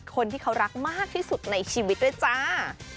คนที่เขารักมากที่สุดในชีวิตด้วยจ้า